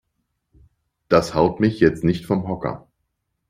Das haut mich jetzt nicht vom Hocker.